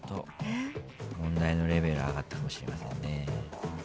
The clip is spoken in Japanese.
問題のレベル上がったかもしれませんね。